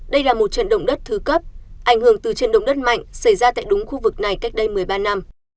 đây là một trận động đất thứ cấp ảnh hưởng từ trận động đất mạnh xảy ra tại đúng khu vực này cách đây một mươi ba năm